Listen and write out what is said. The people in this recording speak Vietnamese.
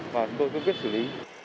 chúng tôi cứ quyết xử lý